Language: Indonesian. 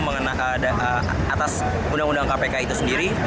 mengenai atas undang undang kpk itu sendiri